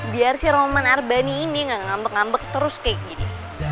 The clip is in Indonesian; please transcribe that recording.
biar sih roman arbani ini gak ngambek ngambek terus kayak gini